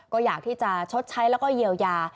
ก็อยากที่จะชดใช้แล้วก็เยียวยา